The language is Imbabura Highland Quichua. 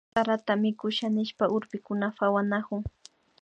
Sarata mikusha nishpa urpikuna pawanakun